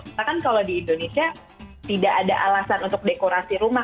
kita kan kalau di indonesia tidak ada alasan untuk dekorasi rumah